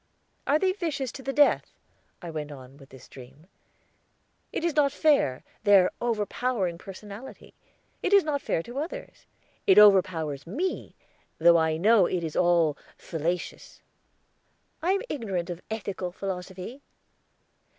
"Are they vicious to the death?" I went on with this dream. "It is not fair their overpowering personality it is not fair to others. It overpowers me, though I know it is all fallacious." "I am ignorant of Ethical Philosophy."